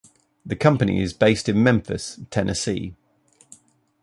The company is based in Memphis, Tennessee.